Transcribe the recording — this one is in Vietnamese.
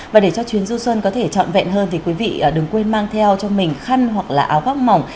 và để cho chuyến du xuân có thể trọn vẹn hơn thì quý vị đừng quên mang theo cho mình khăn hoặc là áo góc mỏng